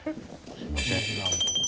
すいません。